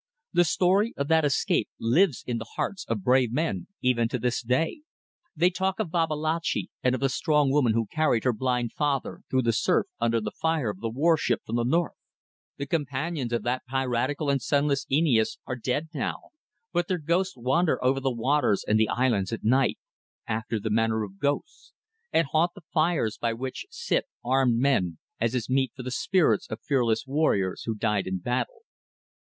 The story of that escape lives in the hearts of brave men even to this day. They talk of Babalatchi and of the strong woman who carried her blind father through the surf under the fire of the warship from the north. The companions of that piratical and son less Aeneas are dead now, but their ghosts wander over the waters and the islands at night after the manner of ghosts and haunt the fires by which sit armed men, as is meet for the spirits of fearless warriors who died in battle.